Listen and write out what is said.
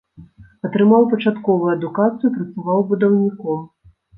Атрымаў пачатковую адукацыю, працаваў будаўніком.